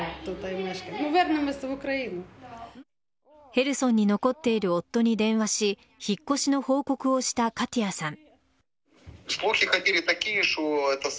ヘルソンに残っている夫に電話し引っ越しの報告をしたカティアさん。